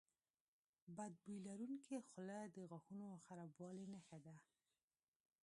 بد بوی لرونکي خوله د غاښونو خرابوالي نښه ده.